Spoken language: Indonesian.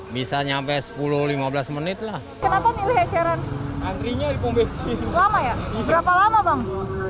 bisa nyampe sepuluh lima belas menitlah kenapa milih acara antrinya berapa lama bang